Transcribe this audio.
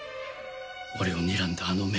俺をにらんだあの目。